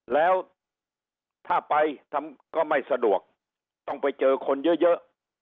แล้วถ้าไปทำก็ไม่สะดวกต้องไปเจอคนเยอะ